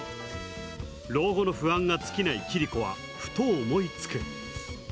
老後の不安が尽きない桐子はふと思いつく。